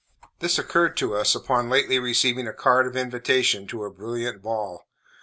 This occurred to us upon lately receiving a card of invitation to a brilliant ball.